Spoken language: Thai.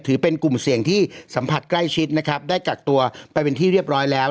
เป็นกลุ่มเสี่ยงที่สัมผัสใกล้ชิดนะครับได้กักตัวไปเป็นที่เรียบร้อยแล้ว